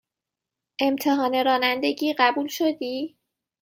امتحان رانندگی قبول شدی؟